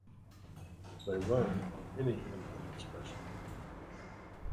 they run on any input expression